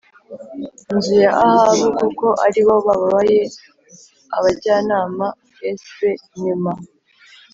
nzu ya Ahabu kuko ari bo babaye abajyanama s be nyuma